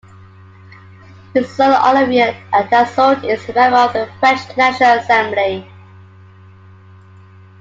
His son Olivier Dassault is a member of the French National Assembly.